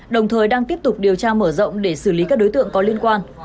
đồng thời đang tiếp tục điều tra mở rộng để xử lý các đối tượng có liên quan